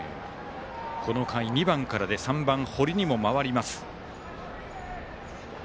この回２番からでこれで３番、堀にも回ります。